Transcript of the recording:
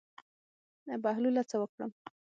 بهلوله څه وکړم.